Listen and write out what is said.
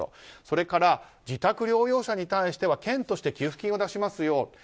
それから自宅療養者に対しては県として寄付金を出しますよと。